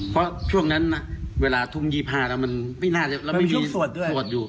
เพราะช่วงนั้นน่ะเวลาทุ่ม๒๕น่ะมันไม่น่าจะมันไม่มีพระสวดอยู่